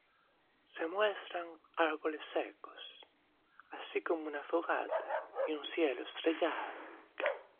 Se muestran árboles secos, así como una fogata y un cielo estrellado.